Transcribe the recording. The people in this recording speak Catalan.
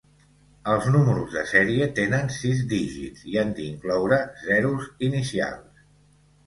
Els números de sèrie tenen sis dígits i han d'incloure zeros inicials.